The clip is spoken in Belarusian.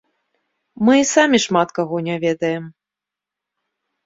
Мы і самі шмат каго не ведаем.